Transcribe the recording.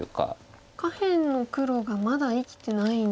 下辺の黒がまだ生きてない。